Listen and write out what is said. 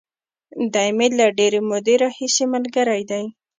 دی مې له ډېرې مودې راهیسې ملګری دی.